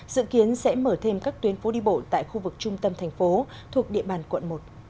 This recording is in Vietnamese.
dự kiến sẽ mở thêm các tuyến phố đi bộ tại khu vực trung tâm thành phố thuộc địa bàn quận một